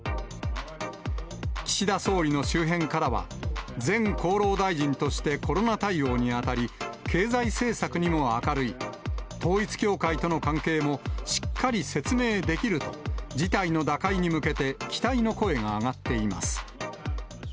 岸田総理の周辺からは、前厚労大臣としてコロナ対応に当たり、経済政策にも明るい、統一教会との関係もしっかり説明できると、事態の打開に向けて、期待の声が上がっています。